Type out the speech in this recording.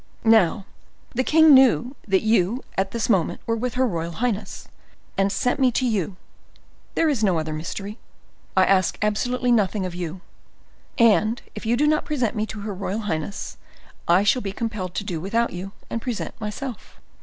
Now, the king knew that you at this moment were with her royal highness, and sent me to you. There is no other mystery, I ask absolutely nothing of you; and if you will not present me to her royal highness, I shall be compelled to do without you, and present myself."